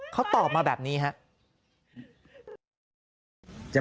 เขาตอบมาแบบนี้ฮะ